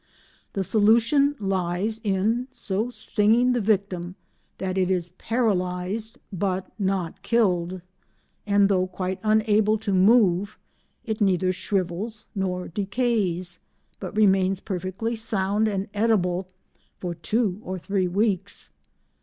The solution lies in so stinging the victim that it is paralysed but not killed, and though quite unable to move, it neither shrivels nor decays, but remains perfectly sound and edible for two or three weeks.